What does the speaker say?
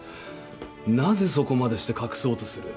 なぜそこまでして隠そうとする？